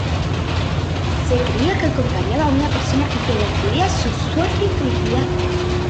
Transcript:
Se creía que acompañaba a una persona y que decidía su suerte y felicidad.